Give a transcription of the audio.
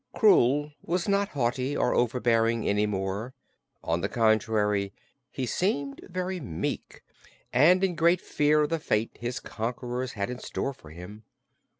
Krewl was not haughty or overbearing any more; on the contrary he seemed very meek and in great fear of the fate his conquerors had in store for him.